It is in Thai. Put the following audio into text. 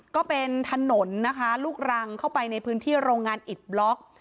ก็เป็นถนนนะคะลูกรังเข้าไปในพื้นที่โรงงานอิดบล็อก